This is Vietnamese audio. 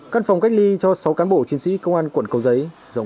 căn phòng cách ly cho sáu cán bộ chiến sĩ công an quận cầu giấy